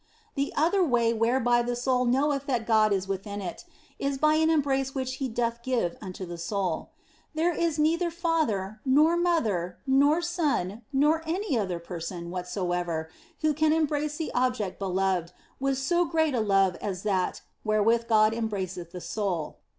The other way whereby the soul knoweth that God is within it is by an embrace which He doth give unto the soul. There is neither father, nor mother, nor son, nor any other person whatsoever who can embrace the object beloved with so great a love as that wherewith God em braceth the soul.